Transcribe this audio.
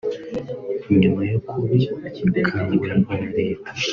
nyuma yo kubikangurirwa na leta